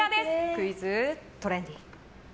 クイズ・トレンディー。